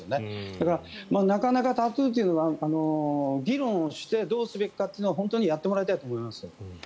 だからなかなかタトゥーというのは議論をしてどうすべきかというのをやってもらいたいと思います。